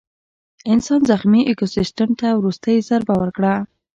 انسان زخمي ایکوسیستم ته وروستۍ ضربه ورکړه.